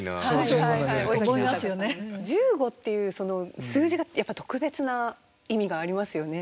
「十五」っていう数字がやっぱり特別な意味がありますよね。